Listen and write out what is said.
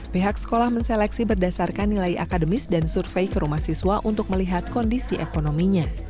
pihak sekolah menseleksi berdasarkan nilai akademis dan survei ke rumah siswa untuk melihat kondisi ekonominya